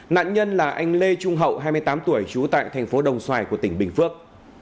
nạn nhân là anh lê trung hậu hai mươi tám tuổi trú tại thành phố đồng xoài của tỉnh bình phước